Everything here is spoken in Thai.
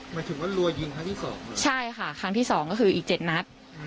หมายถึงว่ารัวยิงครั้งที่สองใช่ค่ะครั้งที่สองก็คืออีกเจ็ดนัด